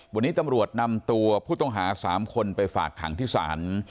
วันนี้ตำรวจนำตัวผู้ต้องหา๓คนไปฝากขังที่ศาล